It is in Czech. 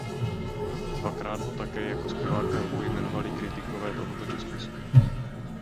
Dvakrát ho také jako zpěváka roku jmenovali kritikové tohoto časopisu.